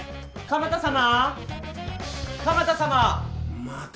鎌田様